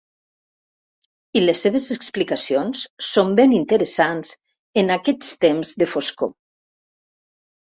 I les seves explicacions són ben interessants en aquests temps de foscor.